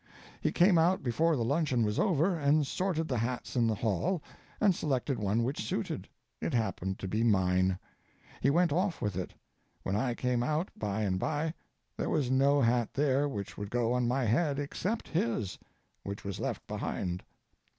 He came out before the luncheon was over, and sorted the hats in the hall, and selected one which suited. It happened to be mine. He went off with it. When I came out by and by there was no hat there which would go on my head except his, which was left behind.